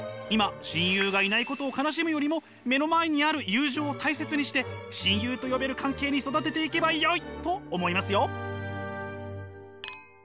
今親友がいないことを悲しむよりも目の前にある友情を大切にして親友と呼べる関係に育てていけばよいと思いますよ。